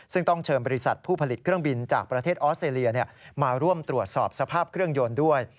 ซึ่งต้องเชิญบริษัทผู้ผลิตเครื่องบินจากประเทศออสเตรเลียมาร่วมตรวจสอบสภาพเครื่องยนต์ด้วย